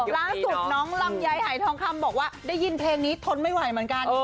ล่าสุดน้องลำไยหายทองคำบอกว่าได้ยินเพลงนี้ทนไม่ไหวเหมือนกัน